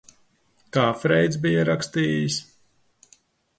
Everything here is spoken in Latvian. Kā Freids bija rakstījis?